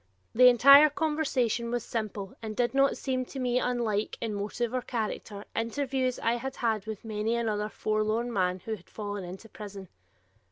The entire conversation was simple and did not seem to me unlike, in motive or character, interviews I had had with many another forlorn man who had fallen into prison.